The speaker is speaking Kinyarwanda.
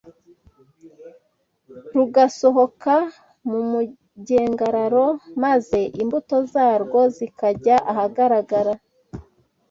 rugasohoka mu mugengararo maze imbuto zarwo zikajya ahagaragara.